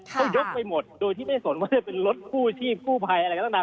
เขายกไปหมดโดยที่ไม่สนว่าจะเป็นรถกู้ชีพกู้ภัยอะไรก็ตาม